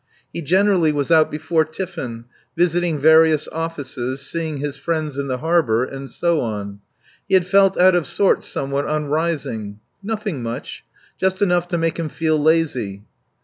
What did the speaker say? He generally was out before tiffin, visiting various offices, seeing his friends in the harbour, and so on. He had felt out of sorts somewhat on rising. Nothing much. Just enough to make him feel lazy.